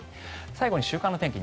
最後に週間天気